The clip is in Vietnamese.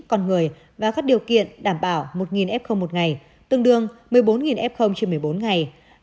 con người và các điều kiện đảm bảo một f một ngày tương đương một mươi bốn f trên một mươi bốn ngày